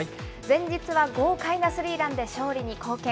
前日は豪快なスリーランで勝利に貢献。